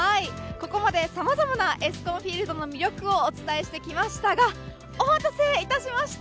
ここまでさまざまなエスコンフィールドの魅力をお伝えしてきましたがお待たせいたしました。